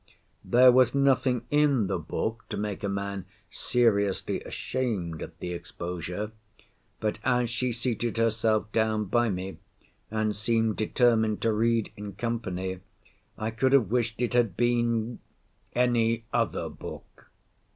There was nothing in the book to make a man seriously ashamed at the exposure; but as she seated herself down by me, and seemed determined to read in company, I could have wished it had been—any other book.